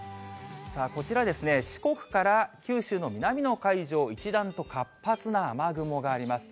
さあ、こちらですね、四国から九州の南の海上、一段と活発な雨雲があります。